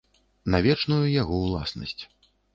На вечную яго ўласнасць.